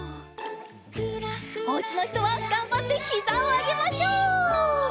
おうちのひとはがんばってひざをあげましょう。